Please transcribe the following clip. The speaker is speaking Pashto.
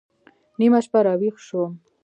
نيمه شپه راويښ سوم.